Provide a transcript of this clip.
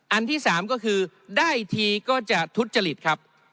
อันที่๓ก็คือได้ทีก็จะทุจจริตครับ